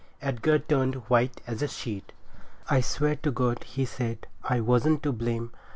Edgar turned as white as a sheet. 'I swear to God,' he said, 'I wasn't to blame.